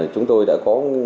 chúng tôi đã có